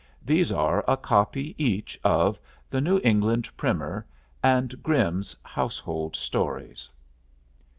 These are a copy each of the 'New England Primer' and Grimm's 'Household Stories.'"